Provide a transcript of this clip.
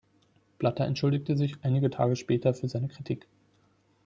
Blatter entschuldigte sich einige Tage später für seine Kritik.